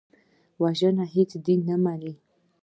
وژنه هېڅ دین نه مني